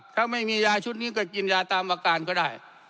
ถ้าไม่มียาชุดนี้ก็กินยาตามอาการก็ได้